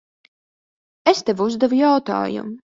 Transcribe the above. Es tev uzdevu jautājumu.